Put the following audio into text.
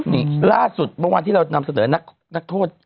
นี่ล่าสุดเมื่อวานที่เรานำเสนอนักโทษ